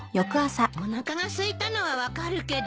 おなかがすいたのは分かるけど。